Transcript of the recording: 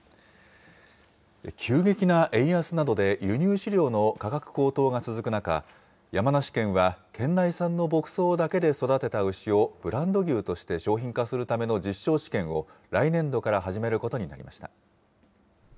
急激な円安などで輸入飼料の価格高騰が続く中、山梨県は、県内産の牧草だけで育てた牛を、ブランド牛として商品化するための実証試験を来年度から始めることになりました。